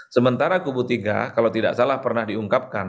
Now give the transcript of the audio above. sementara kubu tiga kalau tidak salah pernah diungkapkan